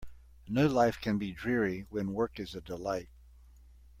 No life can be dreary when work is a delight.